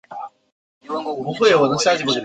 物种曾经都归入孔弄蝶属。